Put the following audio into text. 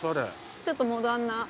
ちょっとモダンな。